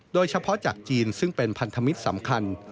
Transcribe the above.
โดยเฉพาะจากจีนซึ่งเป็นพันธมิตรสำคัญ